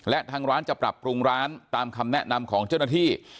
และทางร้านจะปรับปรุงร้านตามคำแนะนำของเจ้าหน้าที่